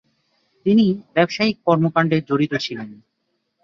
তিনি ব্যবসায়িক কর্মকাণ্ডে জড়িত ছিলেন।